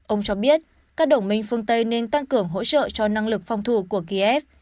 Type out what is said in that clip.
ông cho biết các đồng minh phương tây nên tăng cường hỗ trợ cho năng lực phòng thủ của kiev